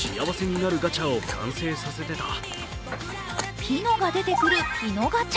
ピノが出てくるピノガチャ。